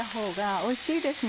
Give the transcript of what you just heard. おいしそうですね。